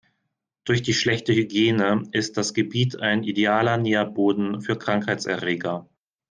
Durch die schlechte Hygiene ist das Gebiet ein idealer Nährboden für Krankheitserreger.